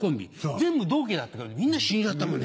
全部同期だったけどみんな死んじゃったもんね。